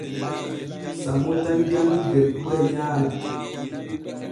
Sammo tan janŋi der gure nyaala.